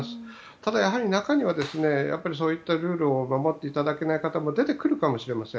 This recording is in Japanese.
ただ、中にはそういったルールを守っていただけない方も出てくるかもしれません。